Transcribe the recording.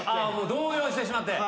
動揺してしまって。